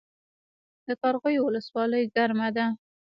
د قرغیو ولسوالۍ ګرمه ده